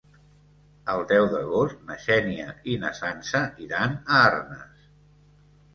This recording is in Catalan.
El deu d'agost na Xènia i na Sança iran a Arnes.